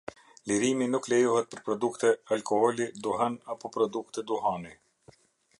Lirimi nuk lejohet për produkte alkooli, duhan apo produkte duhani.